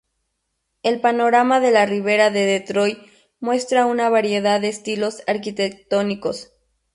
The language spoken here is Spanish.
El panorama de la ribera de Detroit muestra una variedad de estilos arquitectónicos.